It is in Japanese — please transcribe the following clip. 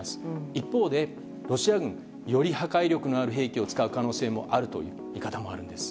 一方で、ロシア軍がより破壊力のある兵器を使う可能性もあるという見方もあるんです。